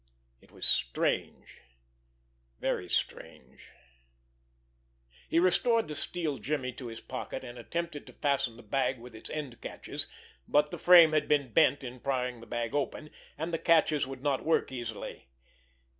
It was strange, very strange! He restored the steel jimmy to his pocket, and attempted to fasten the bag with its end catches, but the frame had been bent in prying the bag open, and the catches would not work easily.